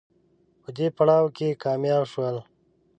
په دې پړاو کې کامیاب شول